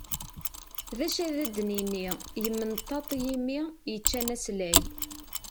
D acu di d-nini? Yemmenṭaṭ yimi yeččan aslay.